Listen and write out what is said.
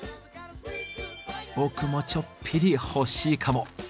僕もちょっぴりほしいかも。